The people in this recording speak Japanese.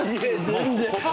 全然。